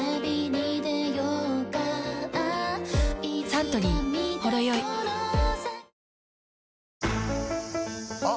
サントリー「ほろよい」あ！